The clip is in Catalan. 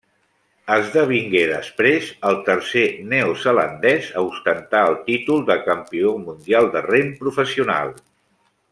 Esdevingué després el tercer neozelandès a ostentar el títol de campió mundial de rem professional.